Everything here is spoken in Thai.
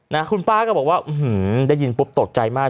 นะคุณป้าก็บอกว่าได้ยินปุ๊บตกใจมาก